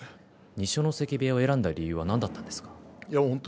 二所ノ関部屋を選んだ理由は何だったんですか。